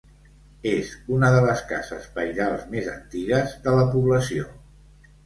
És una de les cases pairals més antigues de la població.